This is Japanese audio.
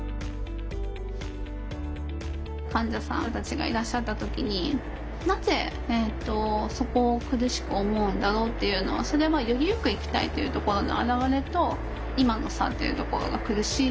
患者さんたちがいらっしゃった時になぜそこを苦しく思うんだろうっていうのはそれはよりよく生きたいというところの表れと今の差っていうところが苦しいっていう。